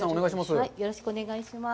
よろしくお願いします。